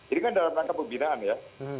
ini kan dalam rangka pembinaan ya